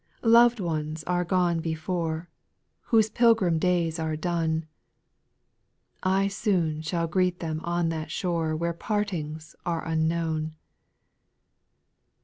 6. Lov'd ones are gone before, Whose pilgrim days are done ; I soon shall greet them on that shore Where partings are unknown.